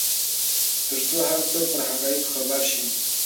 ترڅو هر څوک پر حقایقو خبر شي.